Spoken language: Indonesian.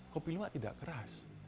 kopi luwak tidak keras